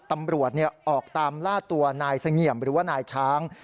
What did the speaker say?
ตำรวจออกตามล่าตัวนายเสงี่ยมหรือว่านายช้าง